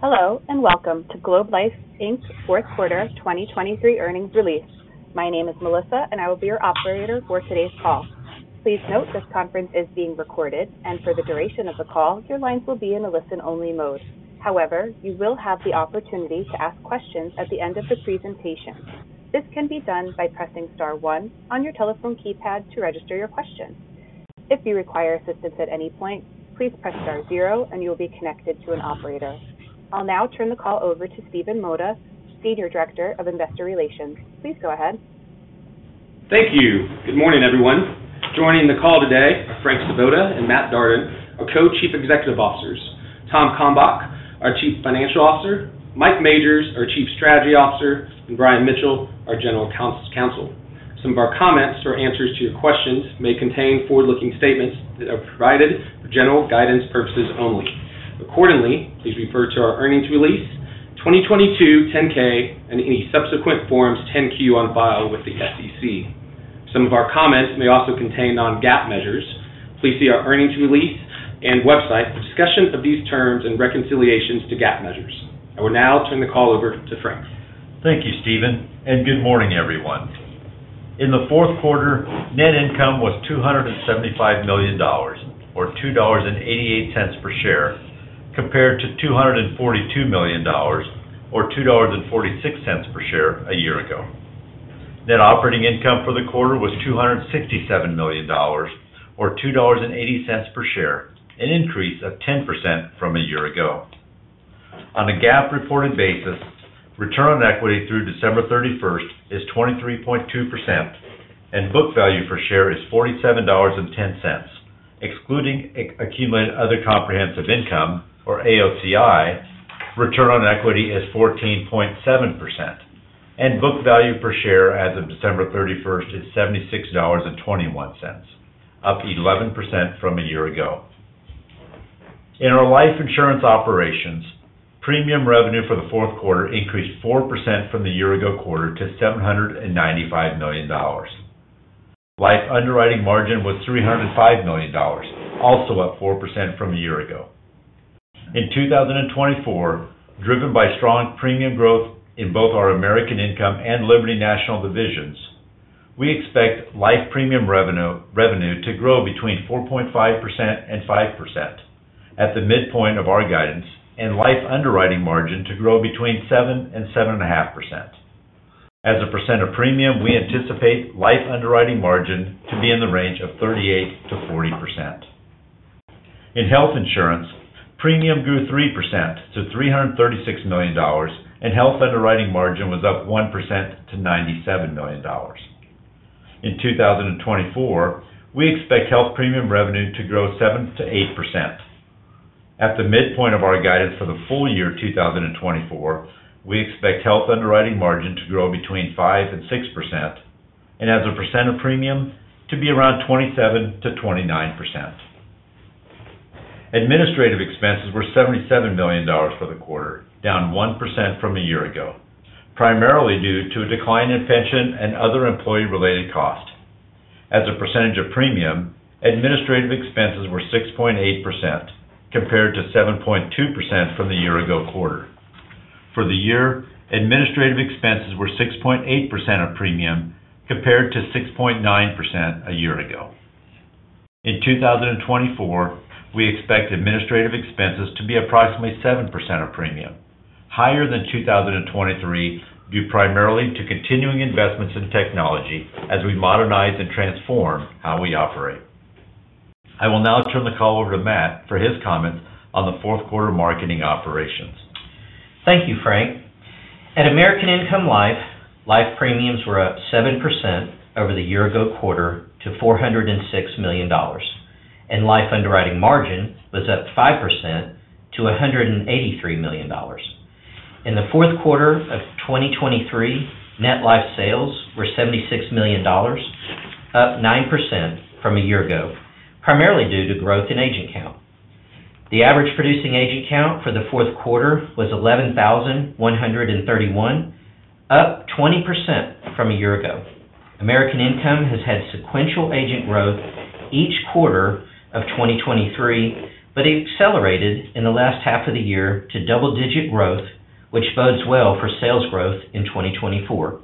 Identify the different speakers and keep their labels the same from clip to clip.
Speaker 1: Hello, and welcome to Globe Life Inc.'s fourth quarter 2023 earnings release. My name is Melissa, and I will be your operator for today's call. Please note, this conference is being recorded, and for the duration of the call, your lines will be in a listen-only mode. However, you will have the opportunity to ask questions at the end of the presentation. This can be done by pressing star one on your telephone keypad to register your question. If you require assistance at any point, please press star zero and you will be connected to an operator. I'll now turn the call over to Stephen Mota, Senior Director of Investor Relations. Please go ahead.
Speaker 2: Thank you. Good morning, everyone. Joining the call today are Frank Svoboda and Matt Darden, our Co-Chief Executive Officers, Tom Kalmbach, our Chief Financial Officer, Mike Majors, our Chief Strategy Officer, and Brian Mitchell, our General Counsel. Some of our comments or answers to your questions may contain forward-looking statements that are provided for general guidance purposes only. Accordingly, please refer to our earnings release, 2022 10-K, and any subsequent Forms 10-Q on file with the SEC. Some of our comments may also contain non-GAAP measures. Please see our earnings release and website for discussion of these terms and reconciliations to GAAP measures. I will now turn the call over to Frank.
Speaker 3: Thank you, Stephen, and good morning, everyone. In the fourth quarter, net income was $275 million or $2.88 per share, compared to $242 million or $2.46 per share a year ago. Net operating income for the quarter was $267 million, or $2.80 per share, an increase of 10% from a year ago. On a GAAP reported basis, return on equity through December 31st is 23.2%, and book value per share is $47.10. Excluding accumulated other comprehensive income, or AOCI, return on equity is 14.7%, and book value per share as of December 31st is $76.21, up 11% from a year ago. In our life insurance operations, premium revenue for the fourth quarter increased 4% from the year ago quarter to $795 million. Life underwriting margin was $305 million, also up 4% from a year ago. In 2024, driven by strong premium growth in both our American Income and Liberty National Divisions, we expect life premium revenue to grow between 4.5% and 5% at the midpoint of our guidance, and life underwriting margin to grow between 7% and 7.5%. As a percent of premium, we anticipate life underwriting margin to be in the range of 38%-40%. In health insurance, premium grew 3% to $336 million, and health underwriting margin was up 1% to $97 million. In 2024, we expect health premium revenue to grow 7%-8%. At the midpoint of our guidance for the full year 2024, we expect health underwriting margin to grow between 5%-6%, and as a percent of premium, to be around 27%-29%. Administrative expenses were $77 million for the quarter, down 1% from a year ago, primarily due to a decline in pension and other employee-related costs. As a percentage of premium, administrative expenses were 6.8%, compared to 7.2% from the year ago quarter. For the year, administrative expenses were 6.8% of premium, compared to 6.9% a year ago. In 2024, we expect administrative expenses to be approximately 7% of premium, higher than 2023, due primarily to continuing investments in technology as we modernize and transform how we operate. I will now turn the call over to Matt for his comments on the fourth quarter marketing operations.
Speaker 4: Thank you, Frank. At American Income Life, life premiums were up 7% over the year-ago quarter to $406 million, and life underwriting margin was up 5% to $183 million. In the fourth quarter of 2023, net life sales were $76 million, up 9% from a year ago, primarily due to growth in agent count. The average producing agent count for the fourth quarter was 11,131, up 20% from a year ago. American Income has had sequential agent growth each quarter of 2023, but it accelerated in the last half of the year to double-digit growth, which bodes well for sales growth in 2024.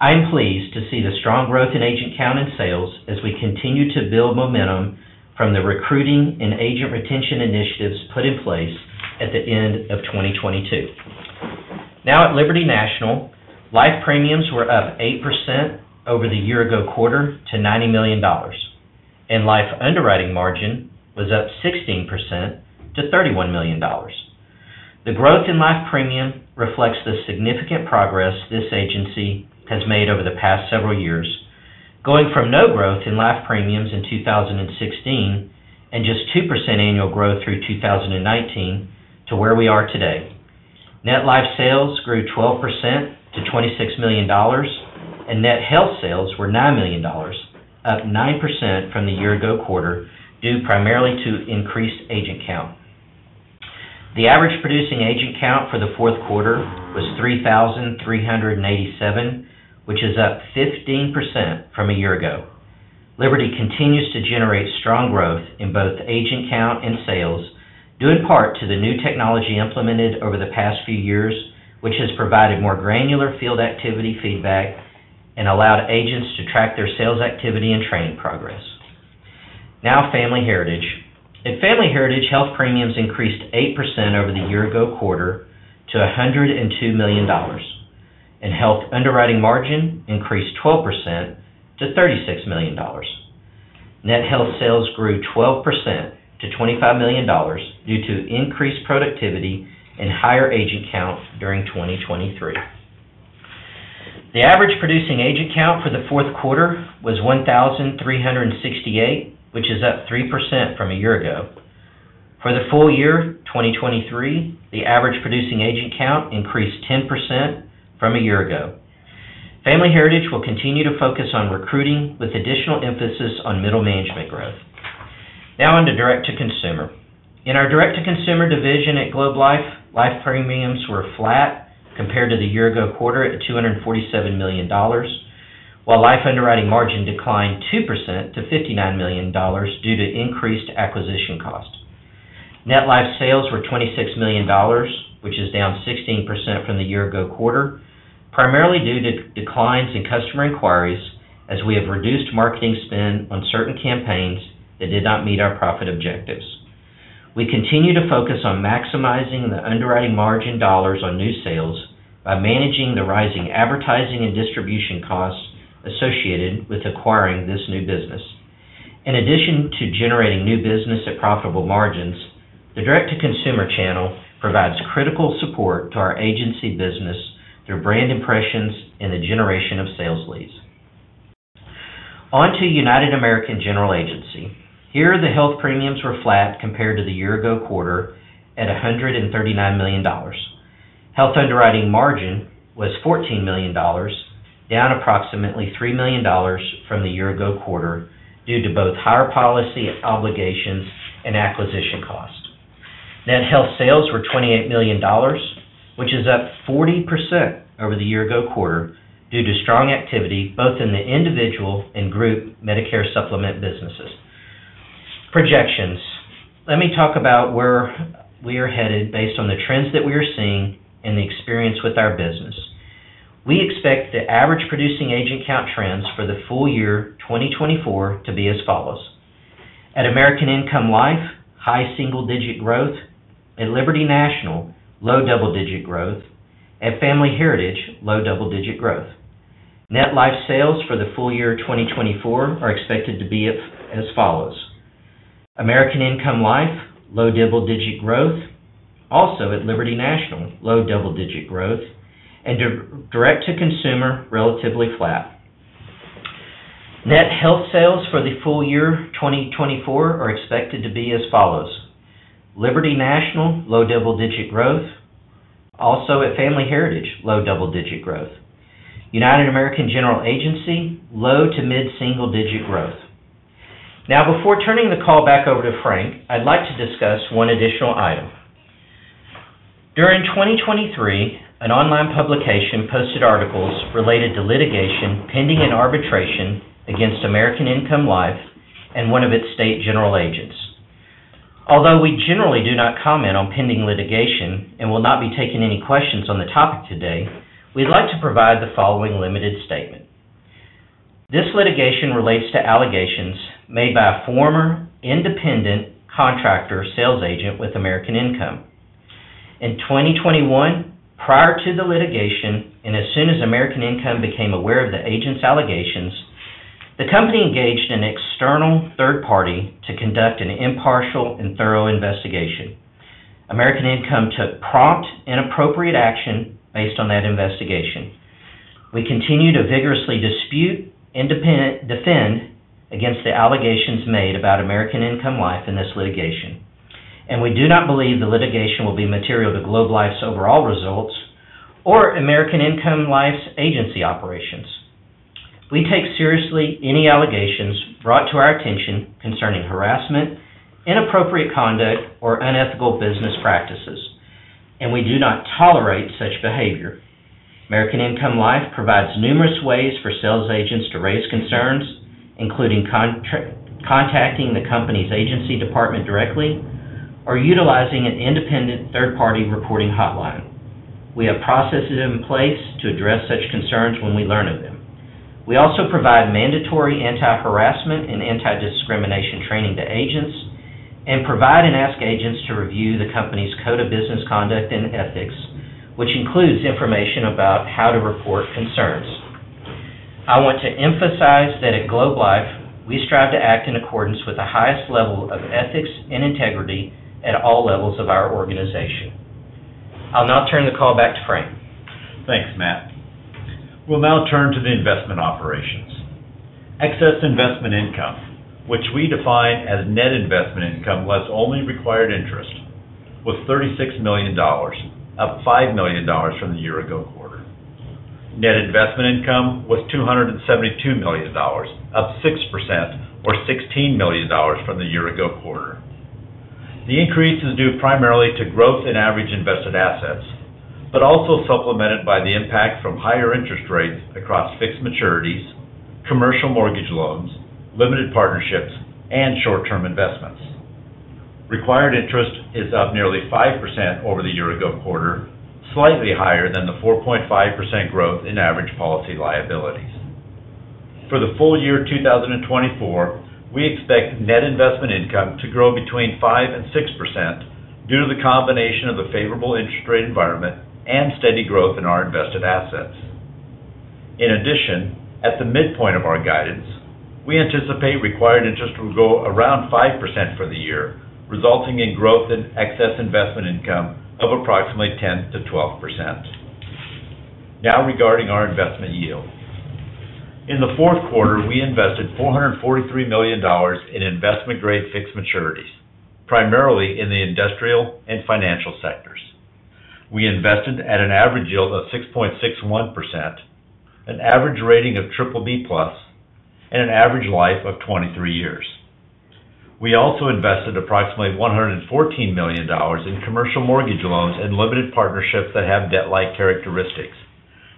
Speaker 4: I am pleased to see the strong growth in agent count and sales as we continue to build momentum from the recruiting and agent retention initiatives put in place at the end of 2022. Now, at Liberty National, life premiums were up 8% over the year-ago quarter to $90 million, and life underwriting margin was up 16% to $31 million. The growth in life premium reflects the significant progress this agency has made over the past several years, going from no growth in life premiums in 2016, and just 2% annual growth through 2019 to where we are today. Net life sales grew 12% to $26 million, and net health sales were $9 million, up 9% from the year-ago quarter, due primarily to increased agent count. The average producing agent count for the fourth quarter was 3,387, which is up 15% from a year ago. Liberty continues to generate strong growth in both agent count and sales, due in part to the new technology implemented over the past few years, which has provided more granular field activity feedback and allowed agents to track their sales activity and training progress. Now, Family Heritage. At Family Heritage, health premiums increased 8% over the year-ago quarter to $102 million, and health underwriting margin increased 12% to $36 million. Net health sales grew 12% to $25 million due to increased productivity and higher agent count during 2023. The average producing agent count for the fourth quarter was 1,368, which is up 3% from a year ago. For the full year, 2023, the average producing agent count increased 10% from a year ago. Family Heritage will continue to focus on recruiting, with additional emphasis on middle management growth. Now on to Direct to Consumer. In our Direct to Consumer division at Globe Life, life premiums were flat compared to the year-ago quarter at $247 million, while life underwriting margin declined 2% to $59 million due to increased acquisition costs. Net life sales were $26 million, which is down 16% from the year-ago quarter, primarily due to declines in customer inquiries, as we have reduced marketing spend on certain campaigns that did not meet our profit objectives. We continue to focus on maximizing the underwriting margin dollars on new sales by managing the rising advertising and distribution costs associated with acquiring this new business. In addition to generating new business at profitable margins, the Direct to Consumer channel provides critical support to our agency business through brand impressions and the generation of sales leads. On to United American General Agency. Here, the health premiums were flat compared to the year ago quarter at $139 million. Health underwriting margin was $14 million, down approximately $3 million from the year ago quarter due to both higher policy obligations and acquisition costs. Net health sales were $28 million, which is up 40% over the year ago quarter due to strong activity, both in the individual and group Medicare Supplement businesses. Projections. Let me talk about where we are headed based on the trends that we are seeing and the experience with our business. We expect the average producing agent count trends for the full year 2024 to be as follows: At American Income Life, high single-digit growth, at Liberty National, low double-digit growth, at Family Heritage, low double-digit growth. Net life sales for the full year 2024 are expected to be as follows: American Income Life, low double-digit growth, also at Liberty National, low double-digit growth, and Direct to Consumer, relatively flat. Net health sales for the full year 2024 are expected to be as follows: Liberty National, low double-digit growth, also at Family Heritage, low double-digit growth, United American General Agency, low to mid single-digit growth. Now, before turning the call back over to Frank, I'd like to discuss one additional item. During 2023, an online publication posted articles related to litigation pending in arbitration against American Income Life and one of its state general agents. Although we generally do not comment on pending litigation and will not be taking any questions on the topic today, we'd like to provide the following limited statement. This litigation relates to allegations made by a former independent contractor sales agent with American Income. In 2021, prior to the litigation, and as soon as American Income became aware of the agent's allegations, the company engaged an external third party to conduct an impartial and thorough investigation. American Income took prompt and appropriate action based on that investigation. We continue to vigorously dispute and defend against the allegations made about American Income Life in this litigation, and we do not believe the litigation will be material to Globe Life's overall results or American Income Life's agency operations. We take seriously any allegations brought to our attention concerning harassment, inappropriate conduct, or unethical business practices, and we do not tolerate such behavior. American Income Life provides numerous ways for sales agents to raise concerns, including contacting the company's agency department directly or utilizing an independent third-party reporting hotline. We have processes in place to address such concerns when we learn of them. We also provide mandatory anti-harassment and anti-discrimination training to agents, and provide and ask agents to review the company's Code of Business Conduct and Ethics, which includes information about how to report concerns. I want to emphasize that at Globe Life, we strive to act in accordance with the highest level of ethics and integrity at all levels of our organization. I'll now turn the call back to Frank.
Speaker 3: Thanks, Matt. We'll now turn to the investment operations. Excess investment income, which we define as net investment income, less only required interest, was $36 million, up $5 million from the year ago quarter. Net investment income was $272 million, up 6% or $16 million from the year ago quarter. The increase is due primarily to growth in average invested assets, but also supplemented by the impact from higher interest rates across fixed maturities, commercial mortgage loans, limited partnerships, and short-term investments. Required interest is up nearly 5% over the year ago quarter, slightly higher than the 4.5% growth in average policy liabilities. For the full year 2024, we expect net investment income to grow between 5% and 6% due to the combination of the favorable interest rate environment and steady growth in our invested assets. In addition, at the midpoint of our guidance, we anticipate required interest will grow around 5% for the year, resulting in growth in excess investment income of approximately 10%-12%. Now, regarding our investment yield. In the fourth quarter, we invested $443 million in investment-grade fixed maturities, primarily in the industrial and financial sectors. We invested at an average yield of 6.61%, an average rating of BBB+, and an average life of 23 years. We also invested approximately $114 million in commercial mortgage loans and limited partnerships that have debt-like characteristics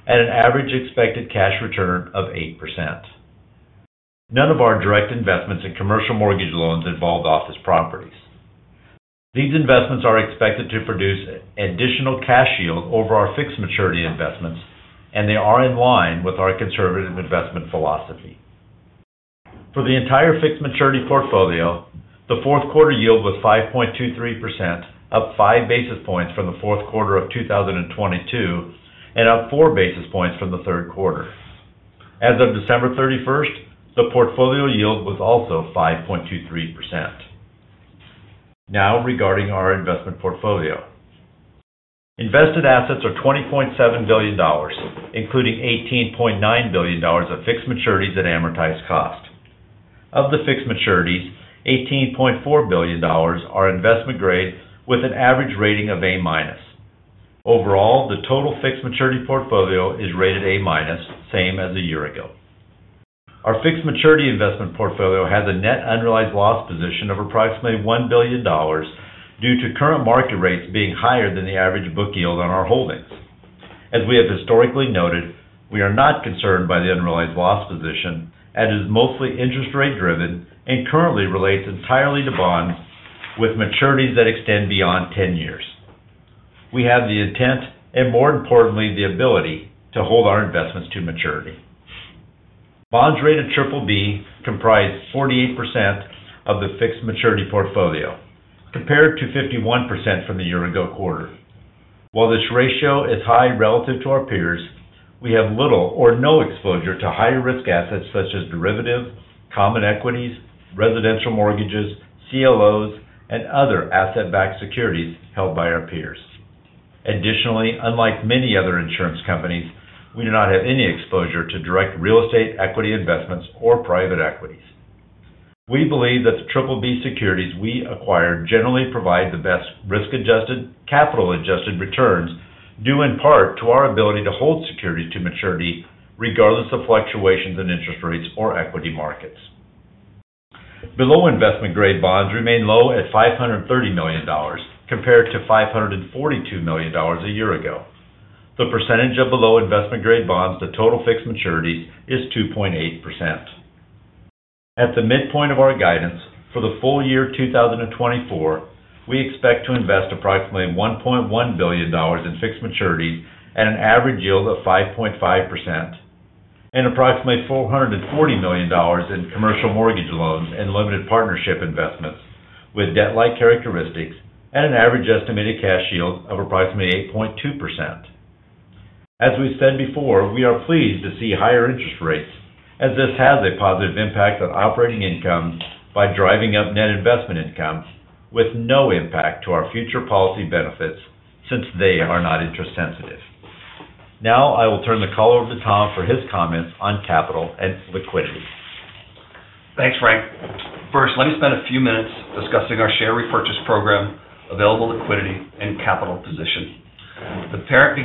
Speaker 3: at an average expected cash return of 8%. None of our direct investments in commercial mortgage loans involved office properties. These investments are expected to produce additional cash yield over our fixed maturity investments, and they are in line with our conservative investment philosophy. For the entire fixed maturity portfolio, the fourth quarter yield was 5.23%, up five basis points from the fourth quarter of 2022, and up four basis points from the third quarter. As of December 31st, the portfolio yield was also 5.23%. Now, regarding our investment portfolio. Invested assets are $20.7 billion, including $18.9 billion of fixed maturities at amortized cost. Of the fixed maturities, $18.4 billion are investment-grade, with an average rating of A-. Overall, the total fixed maturity portfolio is rated A-, same as a year ago. Our fixed maturity investment portfolio has a net unrealized loss position of approximately $1 billion due to current market rates being higher than the average book yield on our holdings. As we have historically noted, we are not concerned by the unrealized loss position, as it's mostly interest rate-driven and currently relates entirely to bonds with maturities that extend beyond 10 years. We have the intent and, more importantly, the ability to hold our investments to maturity. Bonds rated BBB comprise 48% of the fixed maturity portfolio, compared to 51% from the year ago quarter. While this ratio is high relative to our peers, we have little or no exposure to higher-risk assets such as derivatives, common equities, residential mortgages, CLOs, and other asset-backed securities held by our peers. Additionally, unlike many other insurance companies, we do not have any exposure to direct real estate, equity investments, or private equities. We believe that the BBB securities we acquire generally provide the best risk-adjusted, capital-adjusted returns, due in part to our ability to hold securities to maturity, regardless of fluctuations in interest rates or equity markets. Below investment grade bonds remain low at $530 million, compared to $542 million a year ago. The percentage of below investment-grade bonds to total fixed maturities is 2.8%. At the midpoint of our guidance, for the full year 2024, we expect to invest approximately $1.1 billion in fixed maturities at an average yield of 5.5% and approximately $440 million in commercial mortgage loans and limited partnership investments, with debt-like characteristics at an average estimated cash yield of approximately 8.2%. As we've said before, we are pleased to see higher interest rates, as this has a positive impact on operating income by driving up net investment income with no impact to our future policy benefits since they are not interest sensitive. Now, I will turn the call over to Tom for his comments on capital and liquidity.
Speaker 5: Thanks, Frank. First, let me spend a few minutes discussing our share repurchase program, available liquidity, and capital position. The parent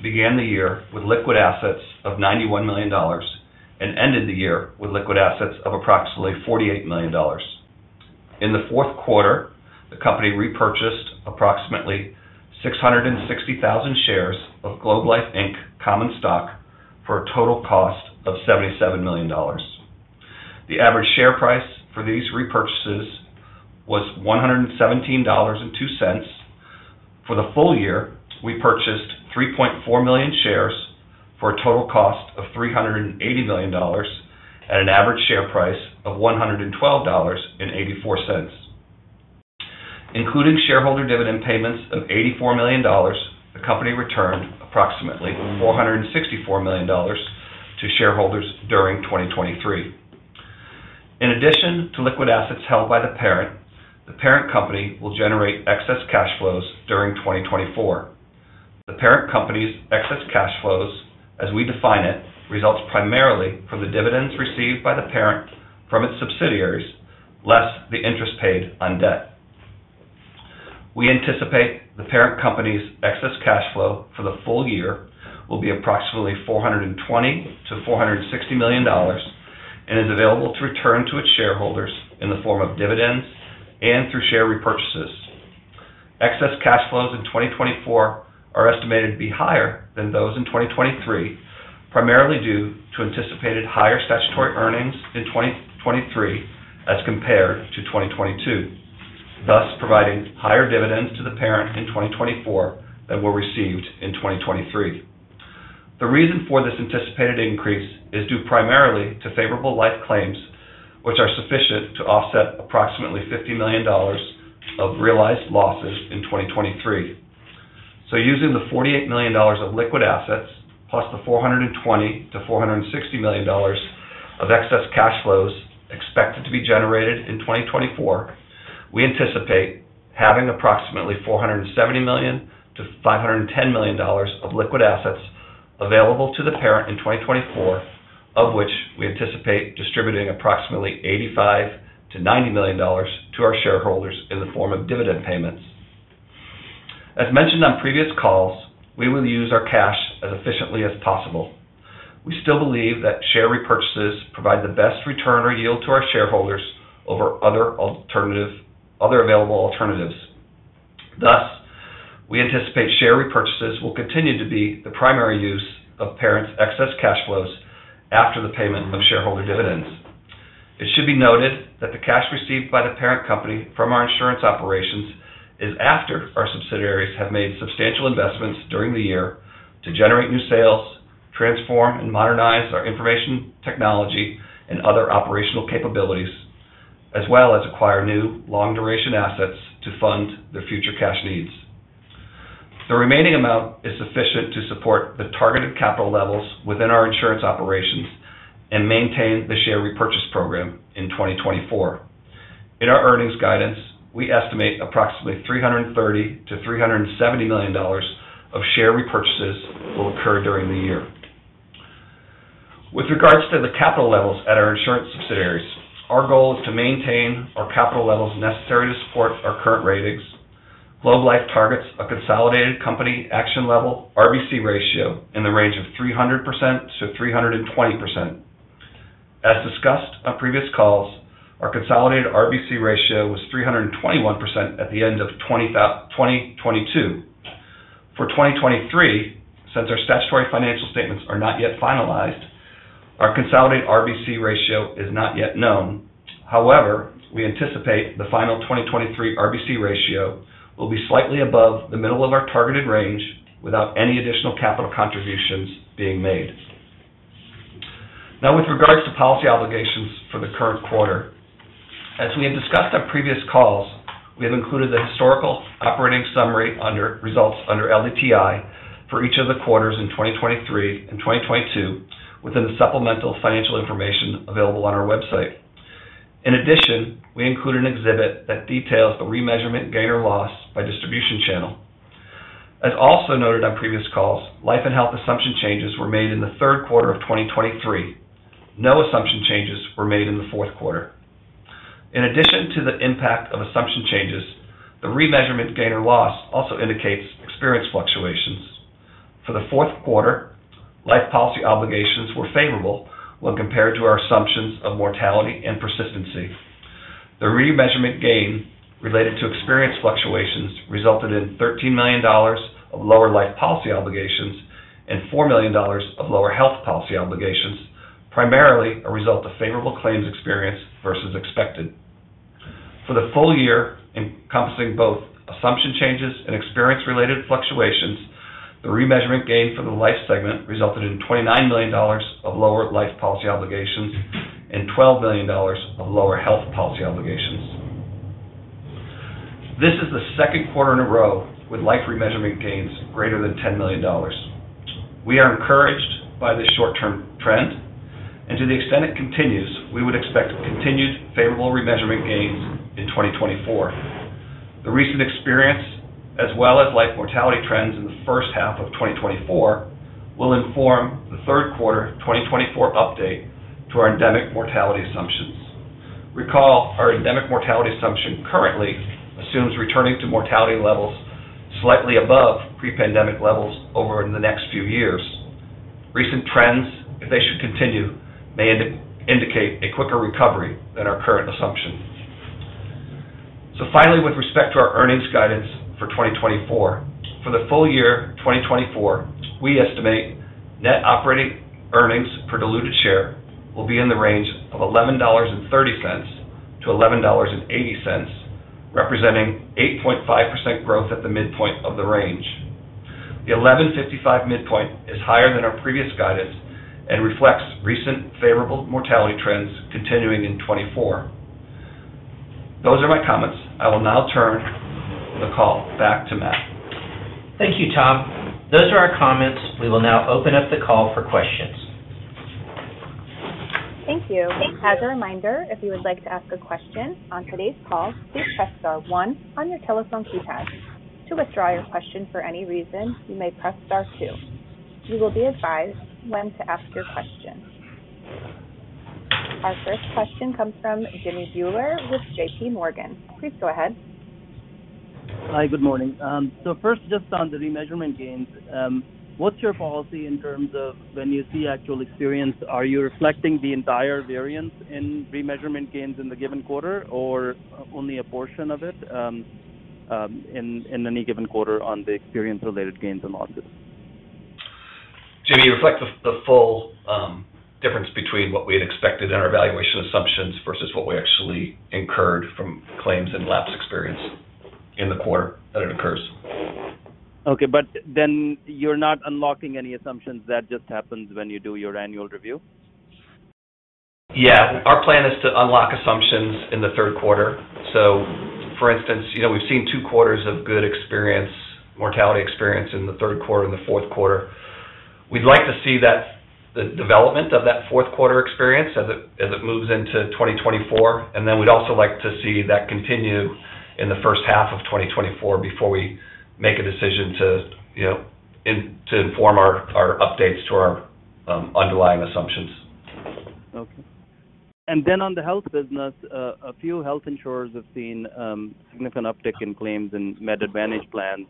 Speaker 5: began the year with liquid assets of $91 million and ended the year with liquid assets of approximately $48 million. In the fourth quarter, the company repurchased approximately 660,000 shares of Globe Life Inc. common stock, for a total cost of $77 million. The average share price for these repurchases was $117.02. For the full year, we purchased 3.4 million shares for a total cost of $380 million, at an average share price of $112.84. Including shareholder dividend payments of $84 million, the company returned approximately $464 million to shareholders during 2023. In addition to liquid assets held by the parent, the parent company will generate excess cash flows during 2024. The parent company's excess cash flows, as we define it, results primarily from the dividends received by the parent from its subsidiaries, less the interest paid on debt. We anticipate the parent company's excess cash flow for the full year will be approximately $420 million-$460 million and is available to return to its shareholders in the form of dividends and through share repurchases. Excess cash flows in 2024 are estimated to be higher than those in 2023, primarily due to anticipated higher statutory earnings in 2023 as compared to 2022, thus providing higher dividends to the parent in 2024 than were received in 2023. The reason for this anticipated increase is due primarily to favorable life claims, which are sufficient to offset approximately $50 million of realized losses in 2023. So using the $48 million of liquid assets, plus the $420 million-$460 million of excess cash flows expected to be generated in 2024, we anticipate having approximately $470 million-$510 million of liquid assets available to the parent in 2024, of which we anticipate distributing approximately $85 million-$90 million to our shareholders in the form of dividend payments. As mentioned on previous calls, we will use our cash as efficiently as possible. We still believe that share repurchases provide the best return or yield to our shareholders over other alternative, other available alternatives. Thus, we anticipate share repurchases will continue to be the primary use of parent's excess cash flows after the payment of shareholder dividends. It should be noted that the cash received by the parent company from our insurance operations is after our subsidiaries have made substantial investments during the year to generate new sales, transform and modernize our information technology and other operational capabilities, as well as acquire new long-duration assets to fund their future cash needs. The remaining amount is sufficient to support the targeted capital levels within our insurance operations and maintain the share repurchase program in 2024. In our earnings guidance, we estimate approximately $330 million-$370 million of share repurchases will occur during the year. With regards to the capital levels at our insurance subsidiaries, our goal is to maintain our capital levels necessary to support our current ratings. Globe Life targets a consolidated company action level RBC ratio in the range of 300%-320%. As discussed on previous calls, our consolidated RBC ratio was 321% at the end of 2022. For 2023, since our statutory financial statements are not yet finalized, our consolidated RBC ratio is not yet known. However, we anticipate the final 2023 RBC ratio will be slightly above the middle of our targeted range, without any additional capital contributions being made. Now with regards to policy obligations for the current quarter, as we have discussed on previous calls, we have included the historical operating summary under results under LDTI for each of the quarters in 2023 and 2022 within the supplemental financial information available on our website. In addition, we include an exhibit that details the remeasurement gain or loss by distribution channel. As also noted on previous calls, life and health assumption changes were made in the third quarter of 2023. No assumption changes were made in the fourth quarter. In addition to the impact of assumption changes, the remeasurement gain or loss also indicates experience fluctuations. For the fourth quarter, life policy obligations were favorable when compared to our assumptions of mortality and persistency. The remeasurement gain related to experience fluctuations resulted in $13 million of lower life policy obligations and $4 million of lower health policy obligations, primarily a result of favorable claims experience versus expected. For the full year, encompassing both assumption changes and experience-related fluctuations, the remeasurement gain for the life segment resulted in $29 million of lower life policy obligations and $12 million of lower health policy obligations. This is the second quarter in a row with life remeasurement gains greater than $10 million. We are encouraged by this short-term trend, and to the extent it continues, we would expect continued favorable remeasurement gains in 2024. The recent experience, as well as life mortality trends in the first half of 2024, will inform the third quarter 2024 update to our endemic mortality assumptions. Recall, our endemic mortality assumption currently assumes returning to mortality levels slightly above pre-pandemic levels over in the next few years. Recent trends, if they should continue, may indicate a quicker recovery than our current assumption. So finally, with respect to our earnings guidance for 2024, for the full year 2024, we estimate net operating earnings per diluted share will be in the range of $11.30-$11.80, representing 8.5% growth at the midpoint of the range. The $11.55 midpoint is higher than our previous guidance and reflects recent favorable mortality trends continuing in 2024. Those are my comments. I will now turn the call back to Matt.
Speaker 4: Thank you, Tom. Those are our comments. We will now open up the call for questions.
Speaker 1: Thank you. As a reminder, if you would like to ask a question on today's call, please press star one on your telephone keypad. To withdraw your question for any reason, you may press star two. You will be advised when to ask your question. Our first question comes from Jimmy Bhullar with JPMorgan. Please go ahead.
Speaker 6: Hi, good morning. So first, just on the remeasurement gains, what's your policy in terms of when you see actual experience? Are you reflecting the entire variance in remeasurement gains in the given quarter or only a portion of it, in any given quarter on the experience-related gains and losses?
Speaker 5: Jimmy, it reflects the full difference between what we had expected in our valuation assumptions versus what we actually incurred from claims and lapse experience in the quarter that it occurs.
Speaker 6: Okay, but then you're not unlocking any assumptions. That just happens when you do your annual review?
Speaker 5: Yeah. Our plan is to unlock assumptions in the third quarter. So, for instance, you know, we've seen two quarters of good experience, mortality experience in the third quarter and the fourth quarter. We'd like to see that, the development of that fourth quarter experience as it moves into 2024, and then we'd also like to see that continue in the first half of 2024 before we make a decision to, you know, to inform our updates to our underlying assumptions.
Speaker 6: Okay. And then on the health business, a few health insurers have seen significant uptick in claims in Med Advantage plans,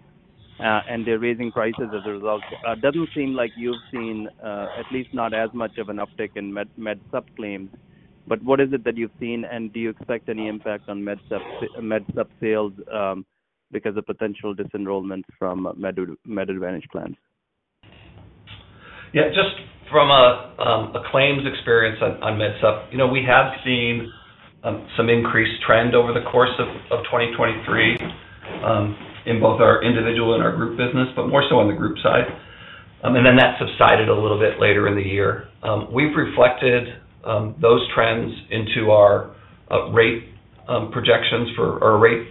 Speaker 6: and they're raising prices as a result. Doesn't seem like you've seen at least not as much of an uptick in Med Supp claims, but what is it that you've seen, and do you expect any impact on Med Supp sales because of potential disenrollment from Med Advantage plans?
Speaker 5: Yeah, just from a claims experience on Med Supp, you know, we have seen some increased trend over the course of 2023 in both our individual and our group business, but more so on the group side. And then that subsided a little bit later in the year. We've reflected those trends into our rate projections for rate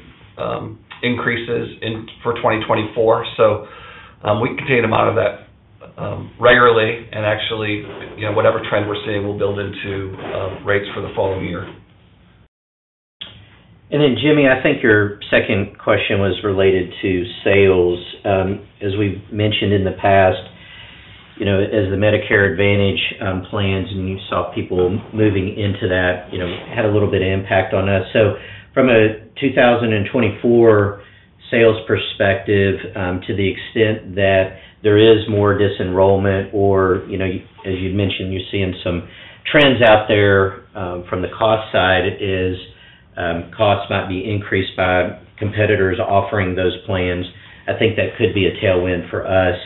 Speaker 5: increases in for 2024. So, we can take them out of that regularly and actually, you know, whatever trend we're seeing will build into rates for the following year.
Speaker 4: And then, Jimmy, I think your second question was related to sales. As we've mentioned in the past, you know, as the Medicare Advantage plans, and you saw people moving into that, you know, had a little bit of impact on us. So from a 2024 sales perspective, to the extent that there is more disenrollment or, you know, as you've mentioned, you're seeing some trends out there, from the cost side, costs might be increased by competitors offering those plans. I think that could be a tailwind for us,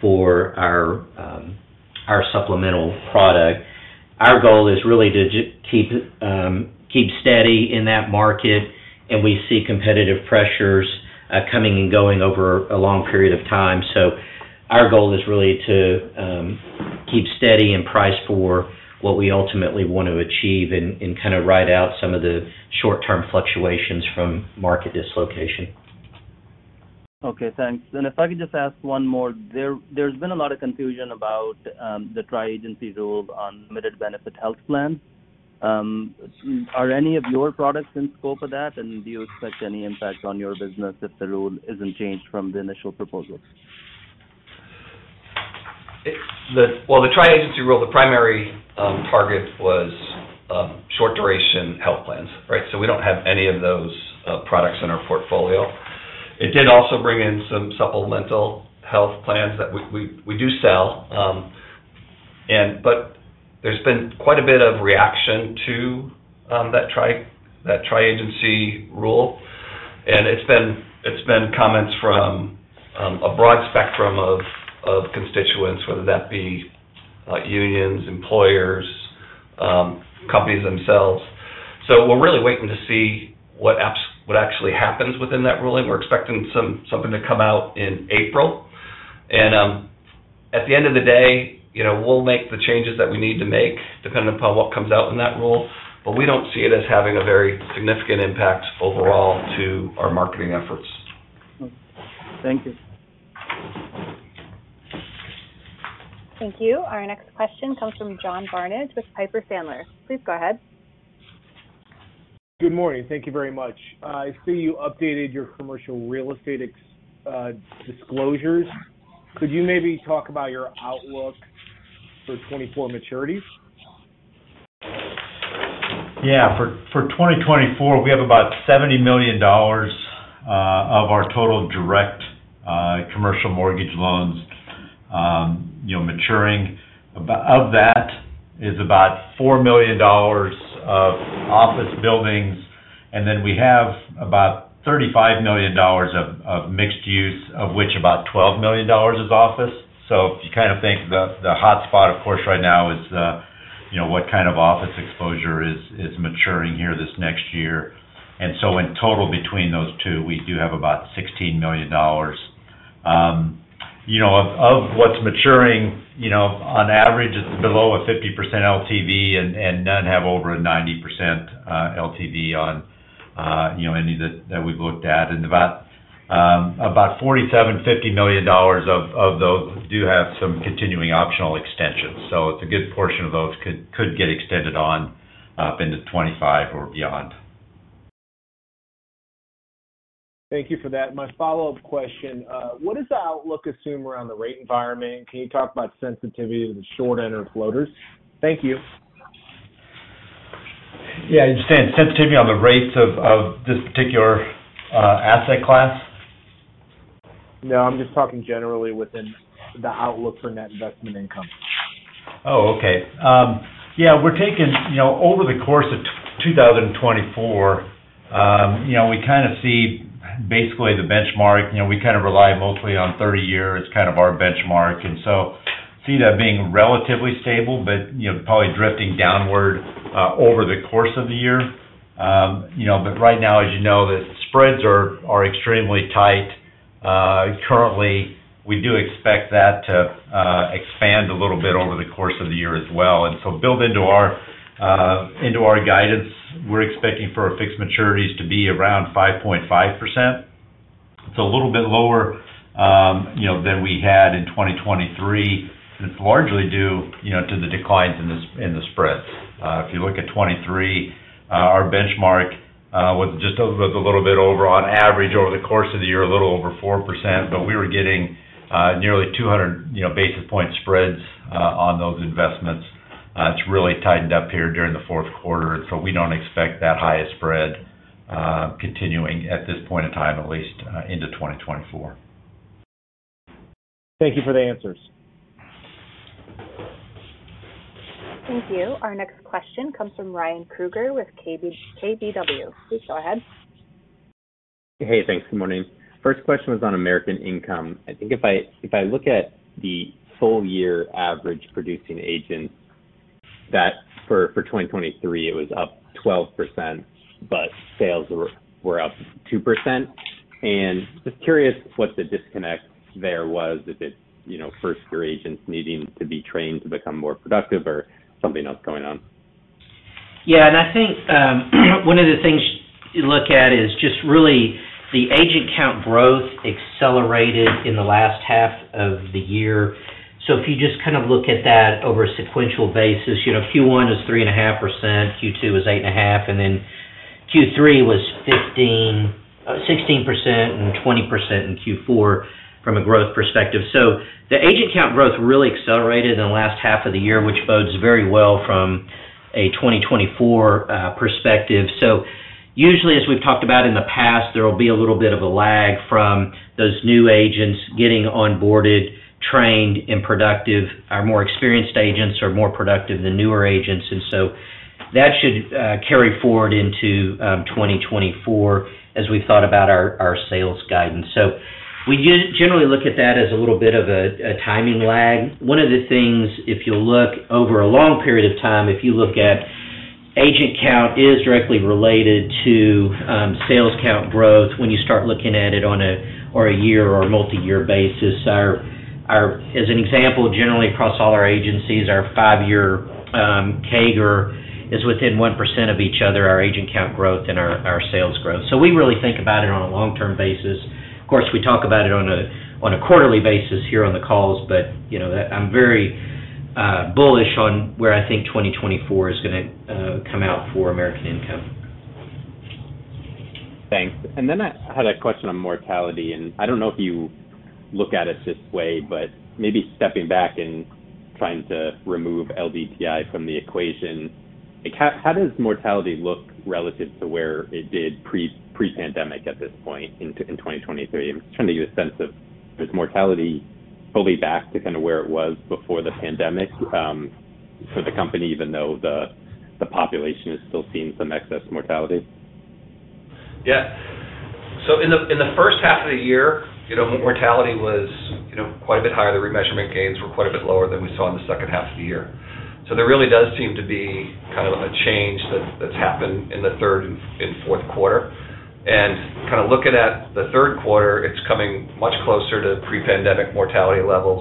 Speaker 4: for our supplemental product. Our goal is really to keep steady in that market, and we see competitive pressures coming and going over a long period of time. Our goal is really to keep steady and price for what we ultimately want to achieve and, and kind of ride out some of the short-term fluctuations from market dislocation.
Speaker 6: Okay, thanks. And if I could just ask one more. There's been a lot of confusion about the Tri-Agency Rule on limited benefit health plans. Are any of your products in scope of that, and do you expect any impact on your business if the rule isn't changed from the initial proposals?
Speaker 5: Well, the Tri-Agency Rule, the primary target was short-duration health plans, right? So we don't have any of those products in our portfolio. It did also bring in some supplemental health plans that we do sell, and but there's been quite a bit of reaction to that Tri-Agency Rule, and it's been comments from a broad spectrum of constituents, whether that be unions, employers, companies themselves. So we're really waiting to see what actually happens within that ruling. We're expecting something to come out in April, and at the end of the day, you know, we'll make the changes that we need to make, depending upon what comes out in that rule, but we don't see it as having a very significant impact overall to our marketing efforts.
Speaker 6: Thank you.
Speaker 1: Thank you. Our next question comes from John Barnidge with Piper Sandler. Please go ahead.
Speaker 7: Good morning. Thank you very much. I see you updated your commercial real estate disclosures. Could you maybe talk about your outlook for 2024 maturities?
Speaker 5: Yeah. For 2024, we have about $70 million of our total direct commercial mortgage loans, you know, maturing. Of that is about $4 million of office buildings, and then we have about $35 million of mixed use, of which about $12 million is office. So if you kind of think the hotspot, of course, right now is, you know, what kind of office exposure is maturing here this next year. And so in total, between those two, we do have about $16 million. You know, of what's maturing, you know, on average, it's below a 50% LTV, and none have over a 90% LTV on, you know, any that we've looked at. And about $47.50 million of those do have some continuing optional extensions. So it's a good portion of those could get extended on into 2025 or beyond.
Speaker 7: Thank you for that. My follow-up question: What is the outlook assumed around the rate environment? Can you talk about sensitivity to the short end of floaters? Thank you.
Speaker 5: Yeah, I understand. Sensitivity on the rates of this particular asset class?
Speaker 7: No, I'm just talking generally within the outlook for net investment income.
Speaker 5: Oh, okay. Yeah, we're taking, you know, over the course of 2024, you know, we kinda see basically the benchmark. You know, we kind of rely mostly on 30-year as kind of our benchmark, and so see that being relatively stable, but, you know, probably drifting downward over the course of the year. You know, but right now, as you know, the spreads are extremely tight. Currently, we do expect that to expand a little bit over the course of the year as well. And so built into our, into our guidance, we're expecting for our fixed maturities to be around 5.5%. It's a little bit lower, you know, than we had in 2023. It's largely due, you know, to the declines in the, in the spreads. If you look at 2023, our benchmark was just a little bit over, on average, over the course of the year, a little over 4%, but we were getting nearly 200, you know, basis point spreads on those investments. It's really tightened up here during the fourth quarter, and so we don't expect that highest spread continuing at this point in time, at least, into 2024.
Speaker 7: Thank you for the answers.
Speaker 1: Thank you. Our next question comes from Ryan Krueger with KBW. Please go ahead.
Speaker 8: Hey, thanks. Good morning. First question was on American Income. I think if I, if I look at the full year average producing agents, that for, for 2023, it was up 12%, but sales were, were up 2%. Just curious what the disconnect there was. Is it, you know, first-year agents needing to be trained to become more productive or something else going on?
Speaker 4: Yeah, and I think, one of the things you look at is just really the agent count growth accelerated in the last half of the year. So if you just kind of look at that over a sequential basis, you know, Q1 was 3.5%, Q2 was 8.5%, and then Q3 was 16%, and 20% in Q4 from a growth perspective. So the agent count growth really accelerated in the last half of the year, which bodes very well from a 2024 perspective. So usually, as we've talked about in the past, there will be a little bit of a lag from those new agents getting onboarded, trained, and productive. Our more experienced agents are more productive than newer agents, and so that should carry forward into 2024, as we've thought about our sales guidance. So we generally look at that as a little bit of a timing lag. One of the things, if you look over a long period of time, if you look at agent count, is directly related to sales count growth when you start looking at it on a year- or multiyear basis. Our. As an example, generally across all our agencies, our five-year CAGR is within 1% of each other, our agent count growth and our sales growth. So we really think about it on a long-term basis. Of course, we talk about it on a quarterly basis here on the calls, but you know, I'm very bullish on where I think 2024 is gonna come out for American Income.
Speaker 8: Thanks. Then I had a question on mortality, and I don't know if you look at it this way, but maybe stepping back and trying to remove LDTI from the equation, like, how does mortality look relative to where it did pre-pandemic at this point in 2023? I'm just trying to get a sense of, is mortality fully back to kind of where it was before the pandemic, for the company, even though the population is still seeing some excess mortality?
Speaker 5: Yeah. So in the first half of the year, you know, mortality was, you know, quite a bit higher. The remeasurement gains were quite a bit lower than we saw in the second half of the year. So there really does seem to be kind of a change that's happened in the third and fourth quarter. And kind of looking at the third quarter, it's coming much closer to pre-pandemic mortality levels.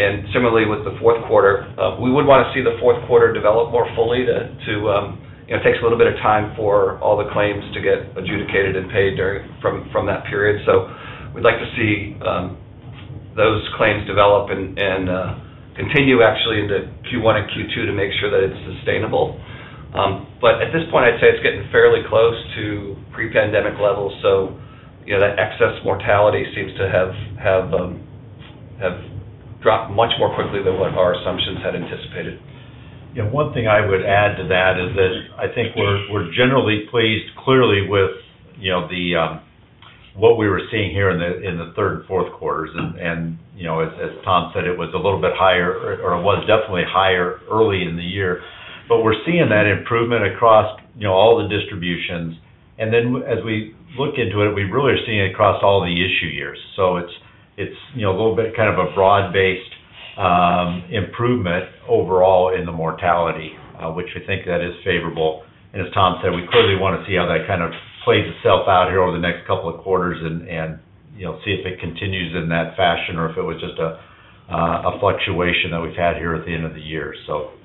Speaker 5: And similarly, with the fourth quarter, we would want to see the fourth quarter develop more fully to... You know, it takes a little bit of time for all the claims to get adjudicated and paid from that period. So we'd like to see those claims develop and continue actually into Q1 and Q2 to make sure that it's sustainable. But at this point, I'd say it's getting fairly close to pre-pandemic levels, so, you know, that excess mortality seems to have dropped much more quickly than what our assumptions had anticipated.
Speaker 3: Yeah, one thing I would add to that is that I think we're generally pleased, clearly, with, you know, the what we were seeing here in the third and fourth quarters. And, you know, as Tom said, it was a little bit higher or was definitely higher early in the year. But we're seeing that improvement across, you know, all the distributions. And then as we look into it, we really are seeing it across all the issue years. So it's, you know, a little bit kind of a broad-based improvement overall in the mortality, which we think that is favorable. As Tom said, we clearly want to see how that kind of plays itself out here over the next couple of quarters and, you know, see if it continues in that fashion or if it was just a fluctuation that we've had here at the end of the year.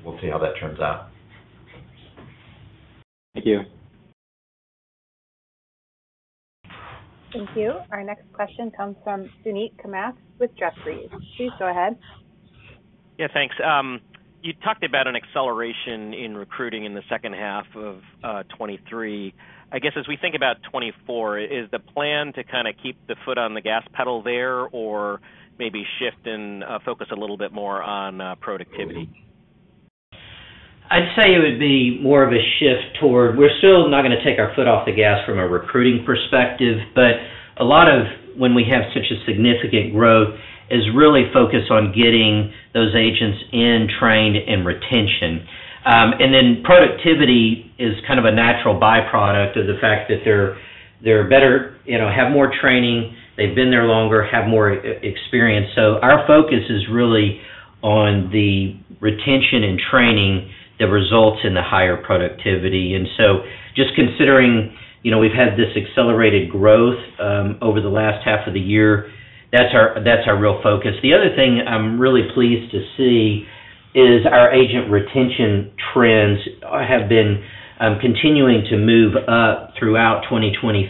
Speaker 3: We'll see how that turns out.
Speaker 8: Thank you.
Speaker 1: Thank you. Our next question comes from Suneet Kamath with Jefferies. Please go ahead.
Speaker 9: Yeah, thanks. You talked about an acceleration in recruiting in the second half of 2023. I guess, as we think about 2024, is the plan to kind of keep the foot on the gas pedal there or maybe shift and focus a little bit more on productivity?
Speaker 4: I'd say it would be more of a shift toward, we're still not going to take our foot off the gas from a recruiting perspective, but a lot of when we have such a significant growth, is really focused on getting those agents in, trained, and retention. And then productivity is kind of a natural byproduct of the fact that they're, they're better, you know, have more training, they've been there longer, have more experience. So our focus is really on the retention and training that results in the higher productivity. And so just considering, you know, we've had this accelerated growth, over the last half of the year, that's our, that's our real focus. The other thing I'm really pleased to see is our agent retention trends have been, continuing to move up throughout 2023.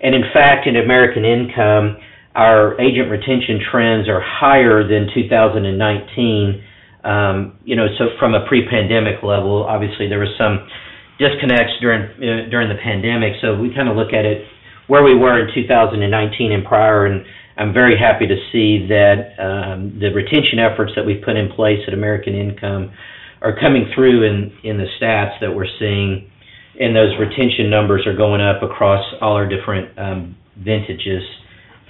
Speaker 4: In fact, in American Income, our agent retention trends are higher than 2019. You know, so from a pre-pandemic level, obviously, there was some disconnects during the pandemic. So we kind of look at it where we were in 2019 and prior, and I'm very happy to see that, the retention efforts that we've put in place at American Income are coming through in the stats that we're seeing, and those retention numbers are going up across all our different, vintages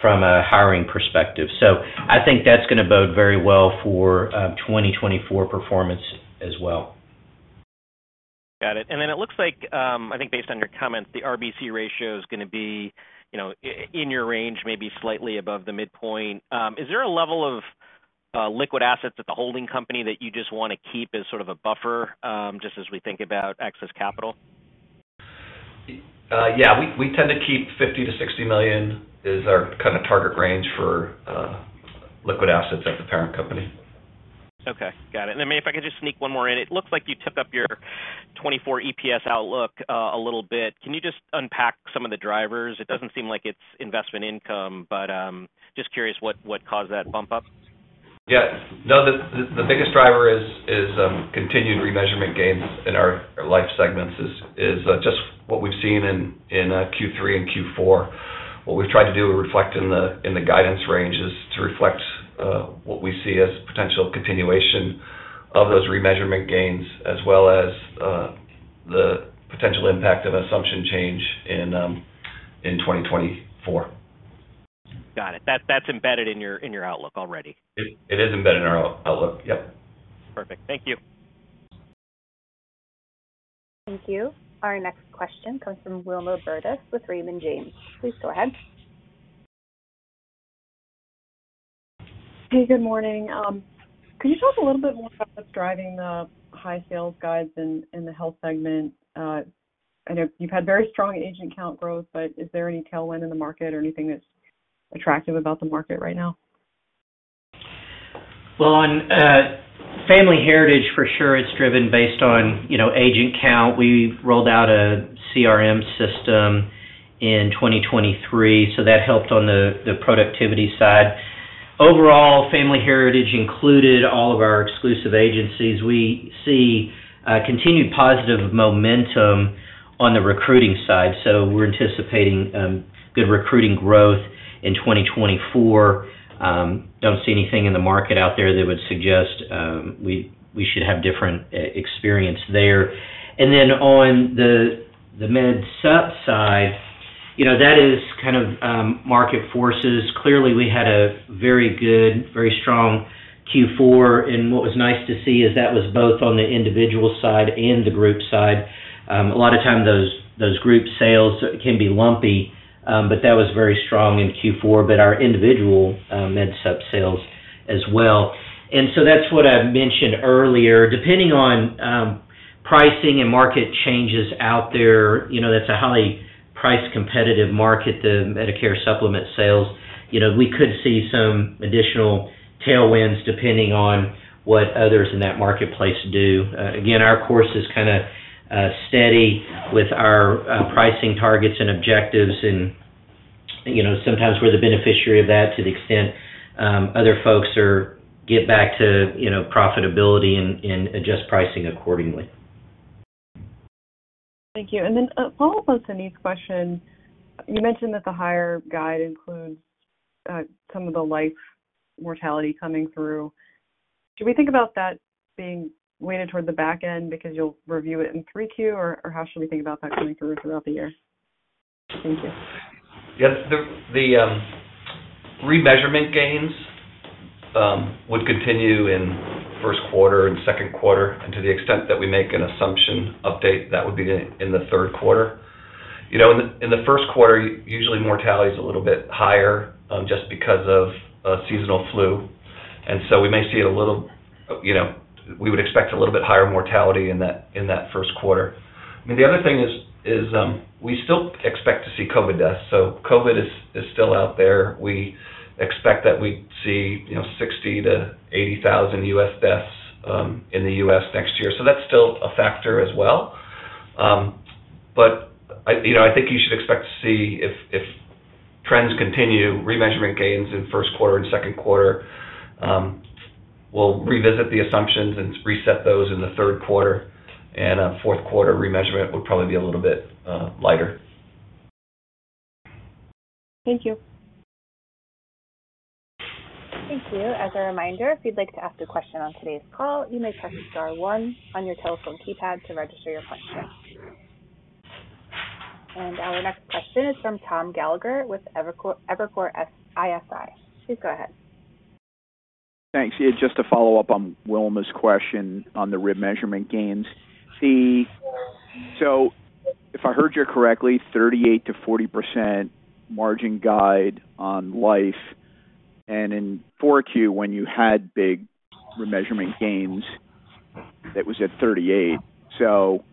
Speaker 4: from a hiring perspective. So I think that's going to bode very well for, 2024 performance as well.
Speaker 9: Got it. And then it looks like, I think based on your comments, the RBC ratio is going to be, you know, in your range, maybe slightly above the midpoint. Is there a level of liquid assets at the holding company that you just want to keep as sort of a buffer, just as we think about excess capital?
Speaker 5: Yeah, we tend to keep $50 million-$60 million, is our kind of target range for liquid assets at the parent company.
Speaker 9: Okay, got it. And then if I could just sneak one more in. It looks like you tipped up your 2024 EPS outlook, a little bit. Can you just unpack some of the drivers? It doesn't seem like it's investment income, but just curious, what caused that bump up?
Speaker 5: Yeah. No, the biggest driver is continued remeasurement gains in our life segments, just what we've seen in Q3 and Q4. What we've tried to do to reflect in the guidance range is to reflect what we see as potential continuation of those remeasurement gains, as well as the potential impact of assumption change in 2024.
Speaker 9: Got it. That's embedded in your outlook already?
Speaker 5: It is embedded in our outlook. Yep.
Speaker 9: Perfect. Thank you.
Speaker 1: Thank you. Our next question comes from Wilma Burdis with Raymond James. Please go ahead.
Speaker 10: Hey, good morning. Can you talk a little bit more about what's driving the high sales guides in the health segment? I know you've had very strong agent count growth, but is there any tailwind in the market or anything that's attractive about the market right now?
Speaker 4: Well, on Family Heritage, for sure, it's driven based on, you know, agent count. We rolled out a CRM system in 2023, so that helped on the productivity side. Overall, Family Heritage included all of our exclusive agencies. We see continued positive momentum on the recruiting side, so we're anticipating good recruiting growth in 2024. Don't see anything in the market out there that would suggest we should have different experience there. And then on the Med Supp side, you know, that is kind of market forces. Clearly, we had a very good, very strong Q4, and what was nice to see is that was both on the individual side and the group side. A lot of time, those group sales can be lumpy, but that was very strong in Q4, but our individual Med Supp sales as well. And so that's what I mentioned earlier. Depending on pricing and market changes out there, you know, that's a highly price-competitive market, the Medicare Supplement sales. You know, we could see some additional tailwinds depending on what others in that marketplace do. Again, our course is kinda steady with our pricing targets and objectives, and, you know, sometimes we're the beneficiary of that to the extent other folks are getting back to, you know, profitability and adjust pricing accordingly.
Speaker 10: Thank you. And then a follow-up on Suneet's question. You mentioned that the higher guide includes some of the life mortality coming through. Should we think about that being weighted toward the back end because you'll review it in 3Q, or, or how should we think about that coming through throughout the year? Thank you.
Speaker 5: Yes, the remeasurement gains would continue in first quarter and second quarter, and to the extent that we make an assumption update, that would be in the third quarter. You know, in the first quarter, usually mortality is a little bit higher, just because of seasonal flu. And so we may see a little, you know, we would expect a little bit higher mortality in that first quarter. I mean, the other thing is, we still expect to see COVID deaths, so COVID is still out there. We expect that we see, you know, 60,000-80,000 U.S. deaths in the U.S. next year. So that's still a factor as well. But you know, I think you should expect to see, if trends continue, remeasurement gains in first quarter and second quarter. We'll revisit the assumptions and reset those in the third quarter, and a fourth quarter remeasurement would probably be a little bit lighter.
Speaker 10: Thank you.
Speaker 1: Thank you. As a reminder, if you'd like to ask a question on today's call, you may press star one on your telephone keypad to register your question. Our next question is from Tom Gallagher with Evercore ISI. Please go ahead.
Speaker 11: Thanks. Yeah, just to follow up on Wilma's question on the remeasurement gains. See, so if I heard you correctly, 38%-40% margin guide on life, and in 4Q, when you had big remeasurement gains, it was at 38%. So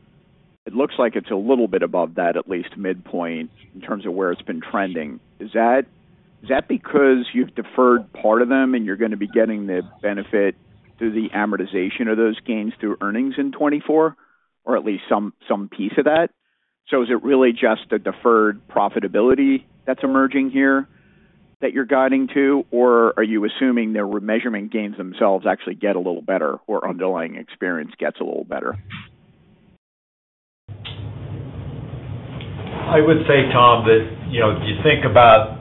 Speaker 11: it looks like it's a little bit above that, at least midpoint, in terms of where it's been trending. Is that, is that because you've deferred part of them, and you're going to be getting the benefit through the amortization of those gains through earnings in 2024, or at least some, some piece of that? So is it really just a deferred profitability that's emerging here that you're guiding to, or are you assuming the remeasurement gains themselves actually get a little better, or underlying experience gets a little better?
Speaker 3: I would say, Tom, that, you know, you think about,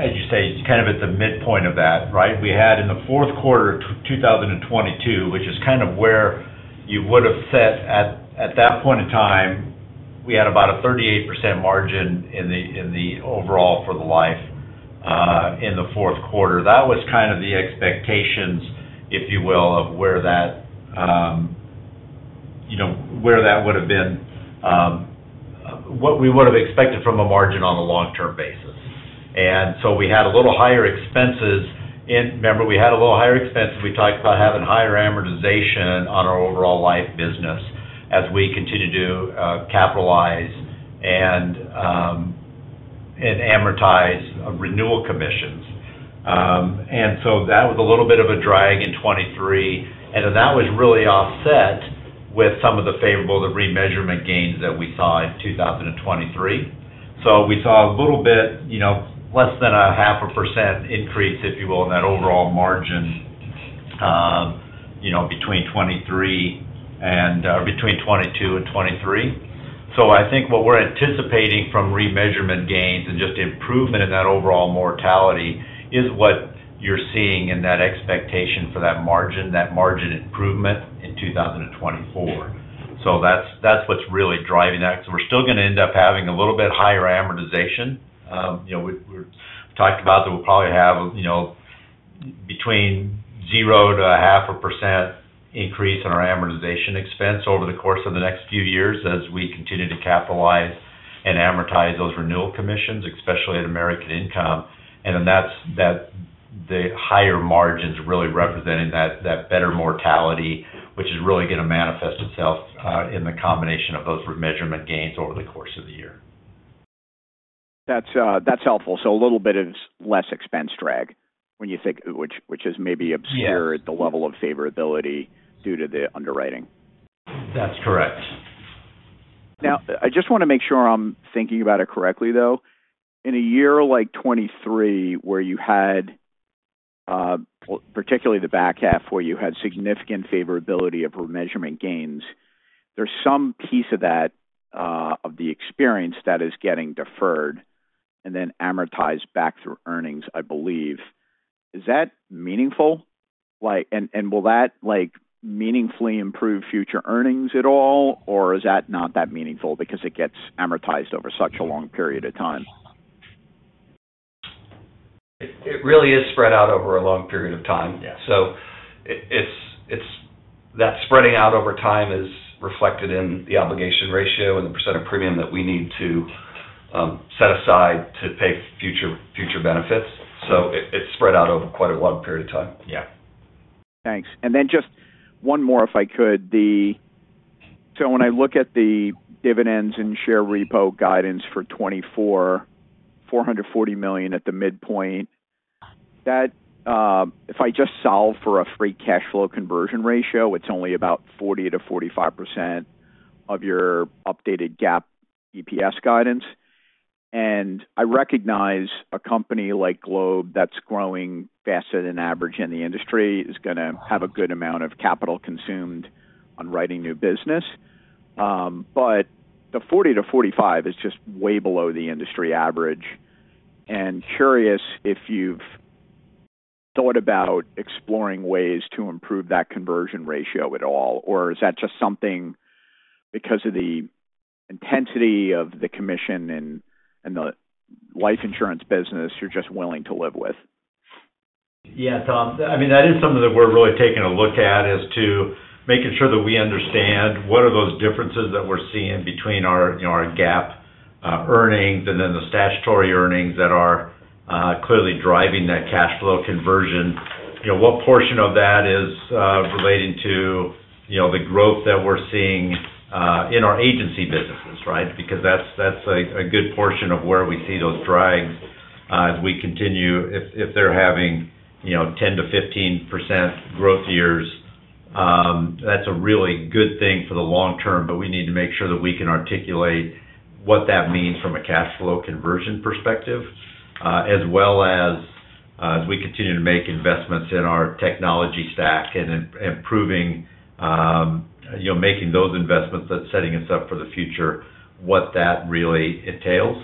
Speaker 3: as you say, kind of at the midpoint of that, right? We had in the fourth quarter of 2022, which is kind of where you would have set at that point in time, we had about a 38% margin in the overall for the life in the fourth quarter. That was kind of the expectations, if you will, of where that, you know, where that would have been, what we would have expected from a margin on a long-term basis. And so we had a little higher expenses in… Remember, we had a little higher expenses. We talked about having higher amortization on our overall life business as we continue to capitalize and amortize renewal commissions. That was a little bit of a drag in 2023, and that was really offset with some of the favorable, the remeasurement gains that we saw in 2023. So we saw a little bit, you know, less than 0.5% increase, if you will, in that overall margin, you know, between 2023 and, between 2022 and 2023. So I think what we're anticipating from remeasurement gains and just improvement in that overall mortality is what you're seeing in that expectation for that margin, that margin improvement in 2024. So that's, that's what's really driving that. So we're still going to end up having a little bit higher amortization. You know, we talked about that we'll probably have, you know, between 0-0.5% increase in our amortization expense over the course of the next few years as we continue to capitalize and amortize those renewal commissions, especially at American Income. And then that's the higher margins really representing that better mortality, which is really going to manifest itself in the combination of those remeasurement gains over the course of the year.
Speaker 11: That's, that's helpful. So a little bit of less expense drag when you think, which is maybe obscured-
Speaker 3: Yes.
Speaker 11: the level of favorability due to the underwriting.
Speaker 3: That's correct.
Speaker 11: Now, I just want to make sure I'm thinking about it correctly, though. In a year like 2023, where you had particularly the back half, where you had significant favorability of remeasurement gains, there's some piece of that of the experience that is getting deferred and then amortized back through earnings, I believe. Is that meaningful? Like, and, and will that, like, meaningfully improve future earnings at all, or is that not that meaningful because it gets amortized over such a long period of time?
Speaker 3: It really is spread out over a long period of time.
Speaker 11: Yeah.
Speaker 3: So it's that spreading out over time is reflected in the obligation ratio and the percent of premium that we need to set aside to pay future benefits. So it's spread out over quite a long period of time.
Speaker 11: Yeah. Thanks. Then just one more, if I could. So when I look at the dividends and share repo guidance for 2024, $440 million at the midpoint, that, if I just solve for a free cash flow conversion ratio, it's only about 40%-45% of your updated GAAP EPS guidance. And I recognize a company like Globe, that's growing faster than average in the industry, is going to have a good amount of capital consumed on writing new business. But the 40%-45% is just way below the industry average. And curious if you've thought about exploring ways to improve that conversion ratio at all, or is that just something, because of the intensity of the commission and the life insurance business, you're just willing to live with?
Speaker 3: Yeah, Tom, I mean, that is something that we're really taking a look at, is to making sure that we understand what are those differences that we're seeing between our, you know, our GAAP earnings and then the statutory earnings that are clearly driving that cash flow conversion. You know, what portion of that is relating to, you know, the growth that we're seeing in our agency businesses, right? Because that's a good portion of where we see those drags. As we continue, if they're having, you know, 10%-15% growth years, that's a really good thing for the long term, but we need to make sure that we can articulate what that means from a cash flow conversion perspective, as well as, as we continue to make investments in our technology stack and improving, you know, making those investments, that's setting us up for the future, what that really entails.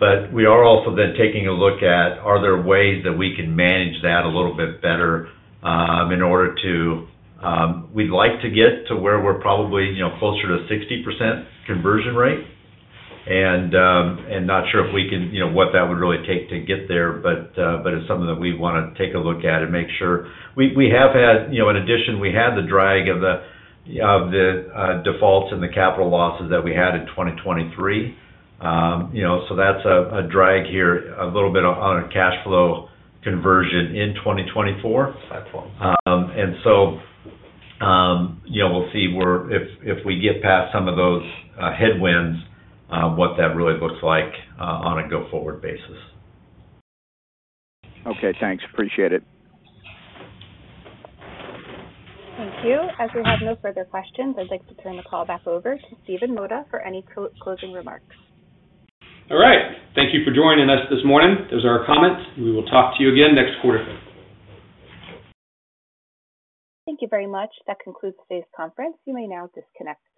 Speaker 3: But we are also then taking a look at, are there ways that we can manage that a little bit better, in order to... We'd like to get to where we're probably, you know, closer to a 60% conversion rate. Not sure if we can, you know, what that would really take to get there, but it's something that we'd want to take a look at and make sure. We have had, you know, in addition, we had the drag of the defaults and the capital losses that we had in 2023. You know, so that's a drag here, a little bit on our cash flow conversion in 2024. And so, you know, we'll see where if we get past some of those headwinds, what that really looks like on a go-forward basis.
Speaker 11: Okay. Thanks, appreciate it.
Speaker 1: Thank you. As we have no further questions, I'd like to turn the call back over to Stephen Mota for any closing remarks.
Speaker 2: All right. Thank you for joining us this morning. Those are our comments. We will talk to you again next quarter.
Speaker 1: Thank you very much. That concludes today's conference. You may now disconnect.